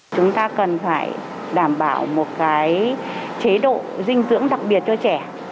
chúng ta cần phải đảm bảo một chế độ dinh dưỡng đặc biệt cho trẻ